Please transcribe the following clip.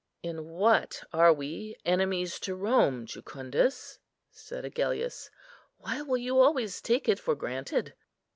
"In what are we enemies to Rome, Jucundus?" said Agellius; "why will you always take it for granted?"